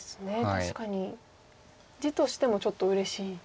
確かに地としてもちょっとうれしい。